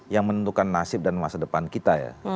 yang menentukan nasib dan masa depan kita ya